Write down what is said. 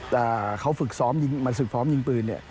แต่เขาฝึกฟ้อมยิงปืน